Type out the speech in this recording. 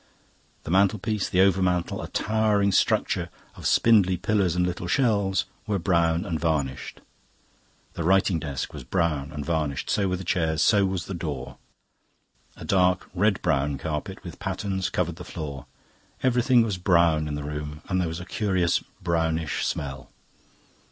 The mantelpiece, the over mantel, a towering structure of spindly pillars and little shelves, were brown and varnished. The writing desk was brown and varnished. So were the chairs, so was the door. A dark red brown carpet with patterns covered the floor. Everything was brown in the room, and there was a curious brownish smell.